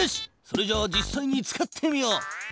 それじゃあ実さいに使ってみよう。